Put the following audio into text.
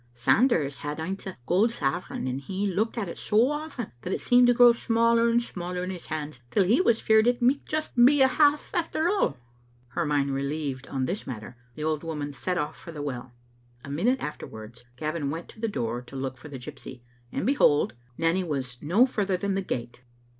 Sanders had aince a gold sovereign, and he looked at it so often that it seemed to grow smaller and smaller in his hand till he was feared it micht just be a half affdr all." Her /*iind relieved on this matter, the old woman set off for the well. A minute afterwards Gavin went to the door to look for the gypsy, and, behold, Nanny was SO further than the gate.